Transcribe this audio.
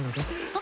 あ。